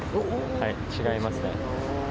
はい、違いますね。